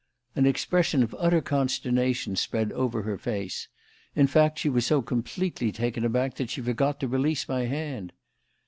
An expression of utter consternation spread over her face; in fact, she was so completely taken aback that she forgot to release my hand.